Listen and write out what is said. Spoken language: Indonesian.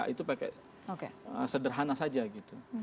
itu pakai sederhana saja gitu